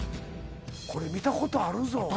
これ見たことあるぞ